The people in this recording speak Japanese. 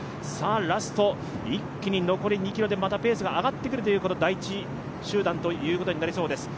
ラスト、一気に残り２ｋｍでまたペースが上がってくる第１集団ということになりそうです